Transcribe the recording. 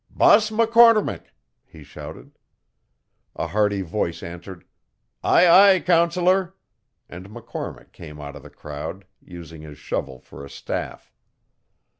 'Boss McCormick!' he shouted. A hearty voice answered, 'Aye, aye, Counsellor,' and McCormick came out of the crowd, using his shovel for a staff.